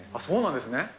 そうなんですね。